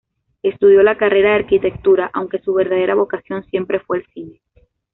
Estudió la carrera de arquitectura, aunque su verdadera vocación siempre fue el cine.